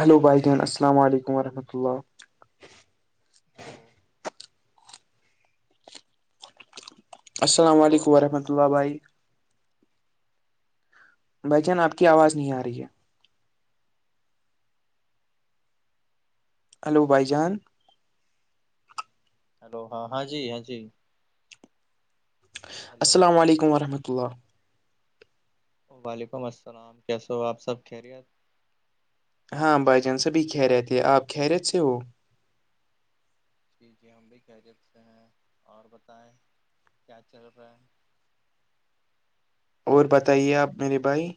hello بھائی جین السل علیکم وورحمۃہ اللہ ہاں السلام ہلو علیکم وورحمۃ آواز آ رہا اللہ ہے بھائی میرا جان آپ کی آواز نہیں آ رہی ہے ہلو بھائی جان ہلو ہاں ہاں جی ہاں جی ہلو السلام علیکم وورحمۃ اللہ وعلیکم السلام کیسے ہو آپ سب کہہ رہے ہاں بھائی جان سبھی کہ رہے تھے آپ کھہ رہے تھ سے ہو جی جی ہم بھی کہہ دیتے ہیں اور بتائیں کیا چل رہا ہے اور بتائیے آپ میرے بھائی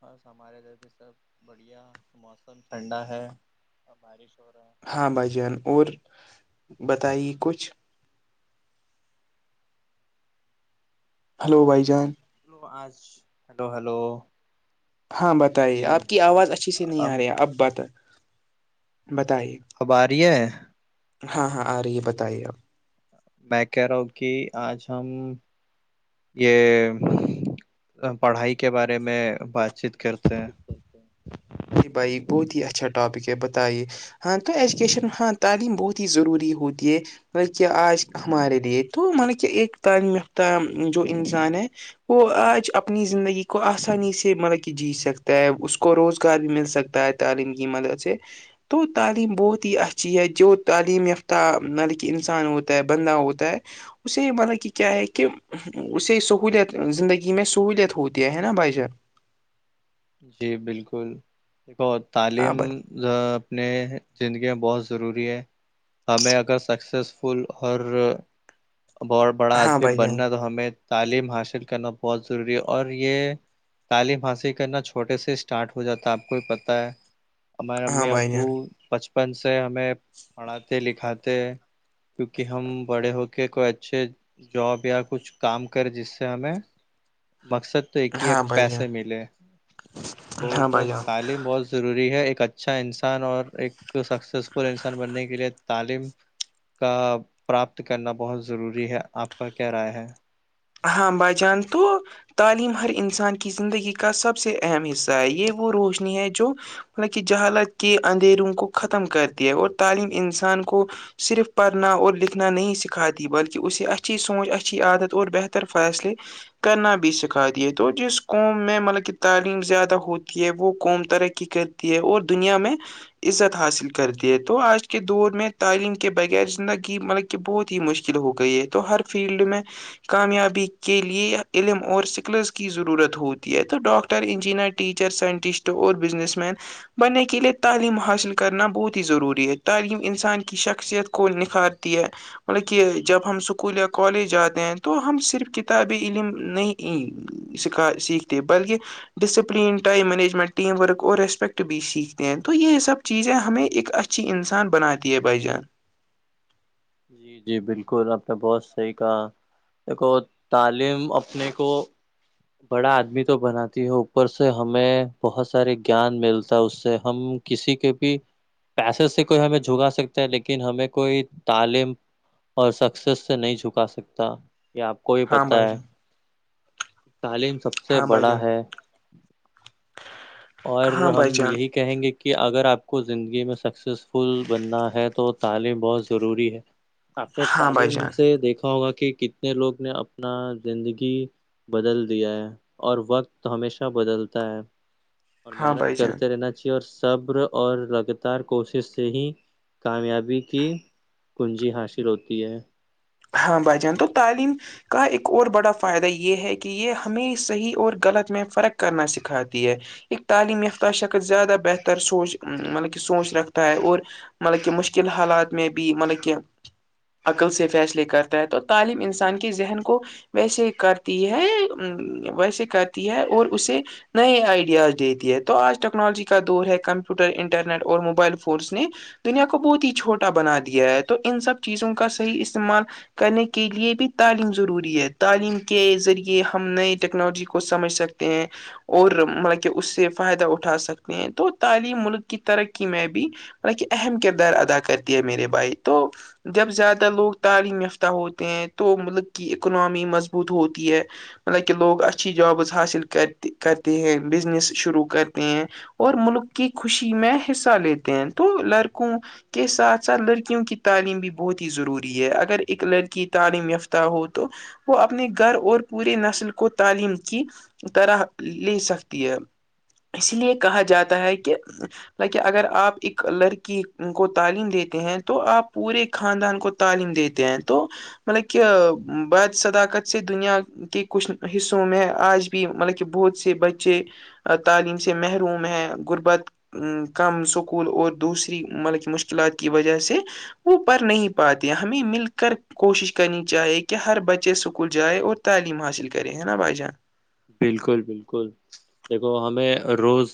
بس ہمارے ادھر بھی سب بڑھیا موسم ٹھنڈا ہے اور بارش ہو رہا ہے ہاں بھائی جان اور بتائیے کچھ ہلو بھائی جان آج ہلو ہلو ہاں جی بتائیے جی آپ کی ہم آواز اچھی سے نہیں آ ہم رہی ہے اب بت بتائیے اباری ہے ہاں ہاں آ رہی ہے بتائیے آپ میں کہہ رہا ہوں کہ آج ہم یہ پڑھائی کے بارے میں بات چیت کرتے ہیں بھائی بہت ہی اچھا ٹاپک ہے بتائیے ہاں تو ایجوکیشن ہاں تعلیم بہت ہی ضروری ہوتی ہے کہ آج ہمارے لیے تو ملب کہ ایک تعلیم یافتہ جو انسان ہے وہ آج اپنی زندگی کو آسانی سے مطلب کہ جی سک ستا ہے اس کو روزگار بھی مل سکتا ہے تعلیم کی مدد سے تو تعلیم بہت ہی اچھی ہے جو تعلیم یافتہ ملے کہ انسان ہوتا ہے بندلہ ہوتا ہے اسے یہ مطلب کہ کیا ہے کہ اسے سہولیت زندگی میں سہولیت ہوتی ہے نا بھجار جی بالکل دیکھو ہاں تعلیم بھائی اپنے زندگیاں بہت ضروری ہے ہمیں اگر سکسیزفل ہرارڈ بڑا ہاں آدمی بھائی جان بننا تو ہمیں تعلیم حاصل کرنا بہت ضروری ہے اور یہ تعلیم حاصل کرنا چھوٹے سے اسٹارٹ ہو جاتا ہے آپ کو بھی پتہ ہے ہمارے ہاں امی بھائی ابو جان بچن بچپن سے ہمیں پڑھاتے لکھاتے کیونکہ ہم بڑے ہوک کو اچھے جاب یا کچھ کام کر جس سے ہمیں مقصد تو ایک ہی ہاں بھائی جان پیسے ملے تو ہاں بھائی بس جان تعلیم بہت ضروری ہے ایک اچھا انسان اور ایک سکسیسفل انسان بننے کے لیے تعلیم کا پراپت کرنا بہت ضروری ہے آپ کا کیا رائے ہے ہاں بجان تو تعلیم ہر انسان کی زندگی کا سب سے اہم حصہ ہے یہ وہ روشنی ہے جو مطلب کہ جہالت کے اندھیروں کو ختم کرتی ہے اور تعلیم انسان کو صرف پڑھنا اور لکھنا نہیں سکھاتی بلکہ اسے اچھی سوچ اچھی عادت اور بہتر ر فیصلے کرنا بھی سکھا دیے تو جس قوم میں مطلب کہ تعلیم زیادہ ہوتی ہے وہ قوم ترقی کر ی ہے اور دنیا میں عزت حاصل کرتی ہے تو آج کے دور میں تعلیم کے بغیر زندگی مطلب بہت ہی مشکل ہو گئی ہے تو ہر فیلڈ میں کامیابی کے لیے علم اور سکلس کی ضرورت ہوتی ہے تو ڈاکٹر انجینئر ٹیچر سائنٹسٹ اور بزنس مین بننے کے لئے تعلیم حاصل کرنا بہت ہی ضروری ہے تعلیم انسان کی شخصیت کو اسکول نکھارتی ہے مطلب کہ جب ہم اسکول یا کالج جاتے ہیں تو ہم صرف کتاب علم نہیں سکھا سیکھتے بلکہ discipline time management team work اور ریسپیکٹ بھی سیکھتے ہیں تو یہ سب چیزیں ہمیں ایک اچھی انسان بناتی ہے بائی جان جی جی بالکل آپ نے بہت صحیح کہا دیکھو تعلیم اپنے کو بڑا آدمی تو بناتی ہے اوپر سے ہمیں بہت سارے گیان ملتا ہے اس سے ہم کسی کے بھی پیسے سے کوئی ہمیں جھگا سکتا ہے لیکن ہمیں کوئی تعلیم اور سکسیس سے نہیں جھکا سکتا آپ کو بھی ہاں پتا بھائی ہے جان تعلیم سب سے ہاں بھائی بڑا جان ہے اور ہاں بھائی ہم جان یہی کہیں گے کہ اگر آپ کو زندگی میں سکسیزفل بننا ہے تو تعلیم بہت ضروری ہے آپ نے ہاں بھائی تعلیم جان سے دیکھا ہوگا کہ کتنے لوگ نے اپنا زندگی بدل دیا ہے اور وقت ہمیشہ بدلتا ہے اور ہاں محنت بھائی جان کرتے رہنا اور سبر اور لگاتار کوشش سے ہی کامیابی کی کنجی حاصل ہوتی ہے ہاں بجان تو تعلیم کا ایک اور بڑا فائدہ یہ ہے کہ یہ ہمیں صحیح اور غلط میں فرق کرنا سکھاتی ہے ایک تعلیم یافتہ شکل زیادہ بہتر سوچ مطلب کہ سوچ رکھتا ہے اور مطلب کہ مشکل حالات میں بھی مطلب کہ عقل سے فیصلے کرتا ہے تو تعلیم انسان کے ذہن کو ویسے کرتی ہے ویسے کرتی ہے اور اسے نئے آئیڈیاز دیتی ہے تو آج ٹیکنالوجی کا دور ہے کمپیوٹر انٹرنیٹ اور موبائل فونس نے دنیا کو بہت ہی چھوٹا بنا دیا ہے تو ان سب چیزوں کا صحی استعمال کرنے کے لے بھی تعلیم ضروری ہے تعلیم کے ذریعے ہم نئے ٹیکنالوجی کو سمجھ سکتے کہ اور مطلب کہ اس سے فائدہ اٹھا سکتے ہیں تو تعلیم ملک کی ترقی میں بھی مط کہ اہم کردار ادا کرتی ہے میرے بھائی تو جب زیادہ لوگ تعلیم یافت ہوتے ہیں تو مطلب کہ اکنامی مضبوط ہوتی ہے مطلب کہ لوگ اچھی جابس حاصل کرتے کرتے ہیں بزنس شروع کرتے ہیں اور ملک کی خوشی میں حصہ لیتے ہیں تو لڑکوں کے ساتھ ساتھ لڑکیوں کی تعلیم بھی بہت ہی ضروری ہے اگر ایک لڑکی تعلیم یافتہ ہو تو وہ اپنے گھر اور پورے نسل کو تعلیم کی طرح لے سکتی ہے اس لیے کہا جاتا ہے کہ لائکہ اگر آپ ایک لڑکی کو تعلیم دیتے ہیں تو آپ پورے خاندان کو تعلیم دیتے ہیں تو مطلب کہ بض صداقت سے دنیا کہ کچھ حصوں میں آج بھی مطلب کہ بہت سے بچے تعلیم سے محروم ہے غربت ا کم سکول اور دوسری مطلب کی مشکلات کی وجہ سے وہ پڑ نہیں پاتے ہمیں مل کے کر کوشش کرنی چاہیے کہ ہر بچے اسکول جائےیں اور تعلیم حاصل کرے ہے نا بھائی جان بالکل بالکل دیکھو ہمیں روز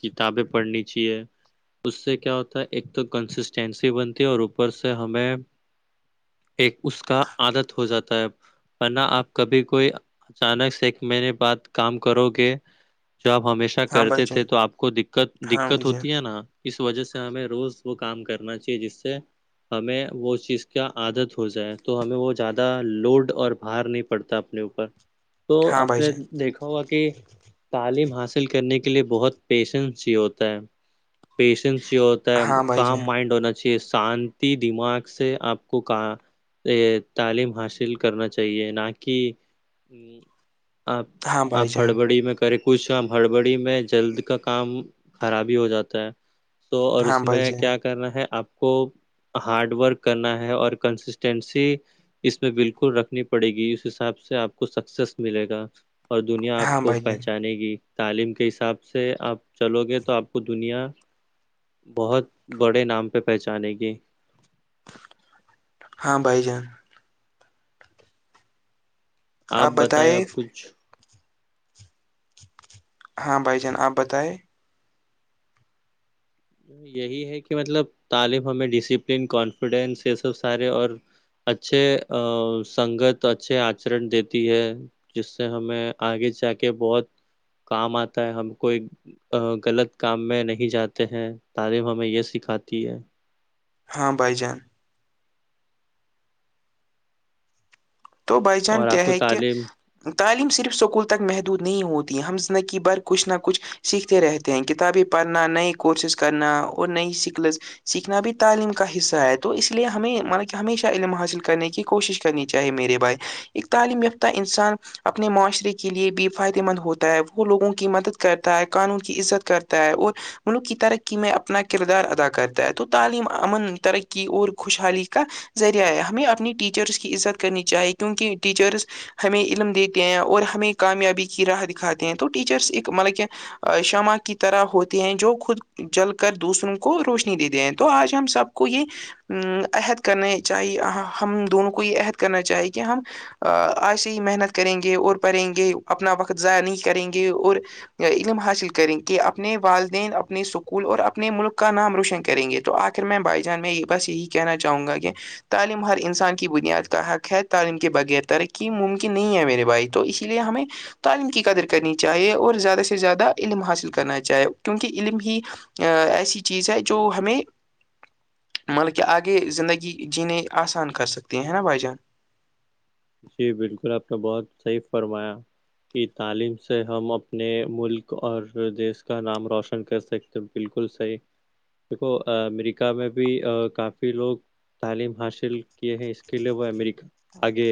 کتابیں پڑھنی چاہیے اس سے کیا ہوتا ہے ایک تو کنسسٹینسی بنتی ہے اور اوپر سے ہمیں ایک اس کا عادت ہو جاتا ہے ن آپ کبھی کوئی اچانک سے میں نے بات کام کرو گ جاب ہمیشہ اچھ ہاں بھائی کرتے جان تھے تو آپ کو دقت ہاں دقت بھائی جان ہوتی ہے نا اس وجہ سے ہمیں روز وہ کام کرنا چاہیے جس سے ہمیں وہ چیز کا عادت ہو جائے تو ہمیں وہ زیادہ لوڈ اور بھار نہیں پڑتا اپنے اوپر ہاں تو آپ بھائی نے جان دیکھا ہوگا کہ تعلیم حاصل کرنے کے لیے بہت پیشنس ہی ہوتا ہے پیشنس ہی ہوتا ہے ہاں بھائی کام جان مائنڈ ہونا چاہ شانتی دماغ سے آپ کو کہ تعلیم حاصل کرنا چاہیے نہ کہ آپ ہاں بھائی آپ جان ہڑبڑی میں کرے کچھ کام ہڑبڑی میں جلد کا کام خرابی ہو جاتا ہے تو اور ہاں اس بھائی میں جان کیا کرنا ہے آپ کو ہارڈ ورک کرنا ہے اور کنسسٹینسی اس میں بالکل رکھنی پڑے گی اس حساب سے آپ کو سکسیس ملے گا اور دنیا آپ ہاں کو بھائی جان پہچانے گی تعلیم کے حساب سے آپ چلو گے تو آپ کو دنیا بہت بڑے نام پہ پہچانے گی ہاں بھائی جان آپ بتائیں اب کچھ ہاں بھائی جان آپ بتائیں یہی ہے کہ مطلب تعلیم ہمیں ڈسپلن کانفیڈینس یہ سب سارے اور اچھے سنگت اچھے آچرن دیتی ہے جس سے ہمیں آگے جا کے بہت کام آتا ہے ہم کوئی غلط کام میں نہیں جاتا ہیں تعلیم ہمیں یہ سکھاتی ہے ہاں بائی جان تو بائی جان اور آپ کیا کو ہے کہ تعلیم تعلیم صرف سکول تک محدود نہیں ہوتی ہم زندگی بھر کچھ نہ کچھ سیکھتے رہتے ت کتابیں پڑھنا نئی کورسز کرنا اور نئی سکلز سیکھنا بھی تعلیم کا حصہ ہے تو اس لیے ہمیں مطب کہ ہمیشہ علم حاصل کرنے کی کوشش کرنی چاہیے میرے بائے ایک تعلیم یافتہ انسان اپنے معاشرے کے لیے بھی فائدے مند ہوتا ہے وہ لوگوں کی مدد کرتا ہے قانون کی عزت کرتا ہے اور ملک کی ترقی میں اپنا کردار ادا کرتا ہے تو تعلیم امن ترقی اور خوشحالی کا ذریعہ ہے ہمیں اپنی ٹیچرس کی عزت کرنی چاہیے کیونکہ ٹیچرس ہمیں علم دیتے ہیں اور ہمیں کامیابی کی راہ دکھاتے ہیں تو ٹیچرس ایک مطب کہ شمع کی طرح ہوتے ہیں جو خود جل کر دوسروں کو روشنی دیتے ہیں تو آج ہم سب کو یہ ا عہد کرنے چاہیے ہم دونوں کو یہ عہد کرنا چاہی کہ ہم آج سے ہی محنت کریں گے اور پڑھیں گے اپنا وقت ضائع نہیں کریں گے اور علم حاصل کریں کہ اپنے والدین اپنے سکول اور اپنے ملک کا نام روشن کریں گے تو آ کے میں بائی جان میں بس یہی کہنا چاہوں گا کہ تعلیم ہر انسان کی بنیاد کا حق ہے تو تعلیم کے بغیر ترقی ممکن نہیں ہے میرے بھائی تو اسی لیے ہمیں تعلیم کی قدر کرنی چاہیے اور زیادہ سے زیادہ علم حاصل کرنا چاہے کیونکہ علم ہی ایسی چیز ہے جو ہمیں ملک آگے زندگی جینے آسان کر سکتے ہیں نا بھائی جان جی بالکل آپ نے بہت صحیح فرمایا کی تعلیم سے ہم اپنے ملک اور دیش کا نام روشن کر سک تو بالکل صحیح دیکھو امریکہ میں بھی کافی لوگ تعلیم حاصل کیے ہیں اس کے لیے وہ امریکہ آگے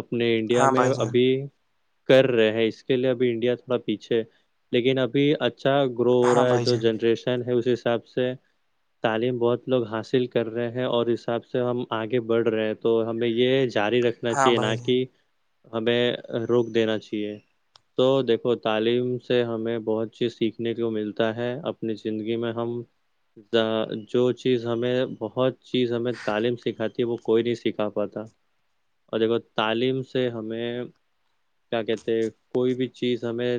اپنے انڈیا ہاں میں بھائی جان ابھی کر رہے ہیں اس کے لیے اب انڈیا تھوڑا پیچھے لیکن ابھی اچھا گرو ہو ہاں رہا ہے بھائی جو جان جنریشن ہے اس حساب سے [inaudible] تعلیم بہت لوگ حاصل کر رہے ہیں اور حساب سے ہم آگے بڑھ رہے ہیں تو ہمیں یہ جاری رکھ نا ہاں چاہیے نہ بھائی جان کہ ہمیں روک دینا چاہیے تو دیکھو تعلیم سے ہمیں بہت چیز سیکھنے کو ملتا ہے اب اپنی زندگی میں ہم جو چیز ہمیں بہت چیز ہمیں تعلیم سکھاتی ہے وہ کوئی نہیں سکھا پاتا اور دیکھو تعلیم سے ہمیں کیا کہتے کوئی بھی چیز ہمیں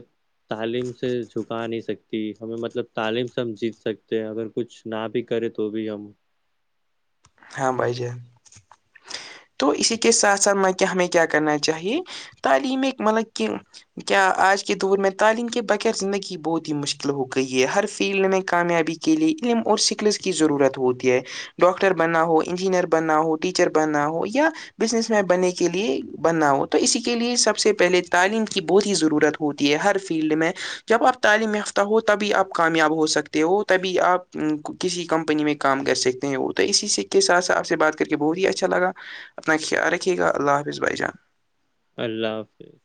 تعلیم سے جھکا نہیں سکتی ہمیں مطلب تعلیم سے ہم جیت سکتے ہیں اگر کچھ نہ بھی کرے تو بھی ہم ہاں بھائی جان تو اسی کے ساتھ ساتھ میں کہ ہمیں کیا کرنا چاہیے تعلیم مطلب کہ کیا آج کے دور میں تعلیم کے بغیر زندگی بہت ہی مشکل ہو گئی ہے ہر فیلڈ میں کامیابی کی کے لیے علم اور سکلس کی ضرورت ہوتی ہے ڈاکٹر بننا ہو انجینئر بننا ہو ٹیچر بننا ہو یہ کیا بزنس مین بننے کے لیے بننا ہو تو اسی کے لیے سب سے پہلے تعلیم کی بہت ہی ضرورت ہوتی ہے ہر فیلڈ میں جب آپ تعلیم یافتہ ہو تبھی آپ کامیاب ہو سکتے ہو تبھی آپ کسی کمپنی میں کام کر سکتے ہیں وہ تو اسی کے ساتھ سھ آپ سے بات کر کے بہت ہی اچھا لگا اپنا خیال رکھیے گا اللہ حافظ بھائی جان اللہ حافظ